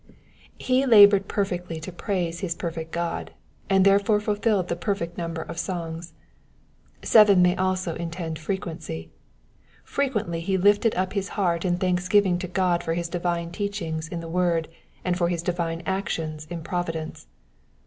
''^ He laboured perfectly to praise his perfect God, and therefore fulfilled the perfect number of songs. Seven may also intend frequency. Frequently he lifted up his heart in thanksgiving to God for his divine' teachings in the word, and for his divine actions in providence.